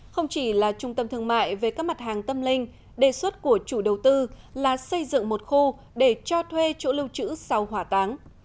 không chỉ là trung tâm thương mại về các mặt hàng tâm linh đề xuất của chủ đầu tư là xây dựng một khu để cho thuê chỗ lưu trữ sau hỏa táng